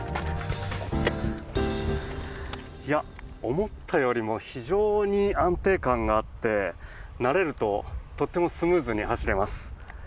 思ったよりも非常に安定感があって慣れるととってもスムーズに走れます。